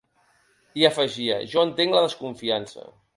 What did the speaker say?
I afegia: Jo entenc la desconfiança.